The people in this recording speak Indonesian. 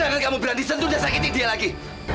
amira jangan kamu berani sentuh dia sakitin dia lagi